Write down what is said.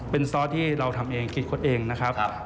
เป็นซอสที่เราทำเองคิดคดเองนะครับ